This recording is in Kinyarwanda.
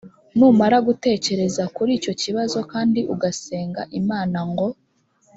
numara gutekereza kuri icyo kibazo kandi ugasenga imana ngo